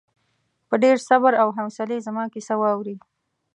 په ډېر صبر او حوصلې زما کیسه واورې.